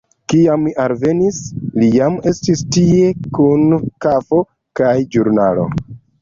Kiam mi alvenis, li jam estis tie, kun kafo kaj ĵurnalo.